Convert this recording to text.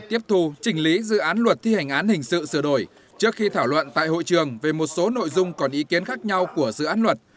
tiếp thu trình lý dự án luật thi hành án hình sự sửa đổi trước khi thảo luận tại hội trường về một số nội dung còn ý kiến khác nhau của dự án luật